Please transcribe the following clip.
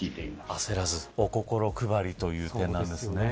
焦らずお心配りという点なんですね。